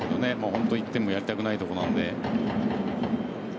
本当に１点もやりたくないところなので。